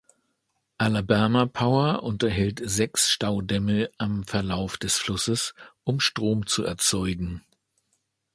Alabama Power unterhält sechs Staudämme am Verlauf des Flusses, um Strom zu erzeugen.